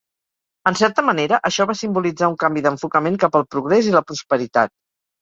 En certa manera, això va simbolitzar un canvi d'enfocament cap al progrés i la prosperitat.